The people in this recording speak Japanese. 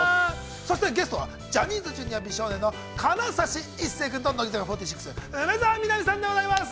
そしてゲストは、ジャニーズＪｒ．美少年の金指一世君と乃木坂４６梅澤美波さんでございます。